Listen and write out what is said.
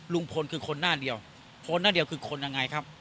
ลุงพลคือคนหน้าเดียวคนหน้าเดียวคือคนยังไงครับ